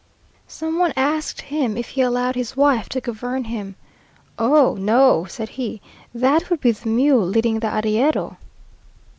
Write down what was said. Some one asked him if he allowed his wife to govern him. "Oh! no," said he, "that would be the mule leading the arriero!"